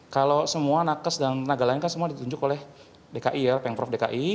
kalau semua nakes dan tenaga lain kan semua ditunjuk oleh dki ya pemprov dki